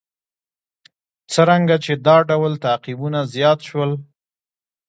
څرنګه چې دا ډول تعقیبونه زیات شول.